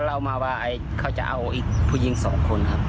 เล่ามาว่าเขาจะเอาอีกผู้หญิงสองคนครับ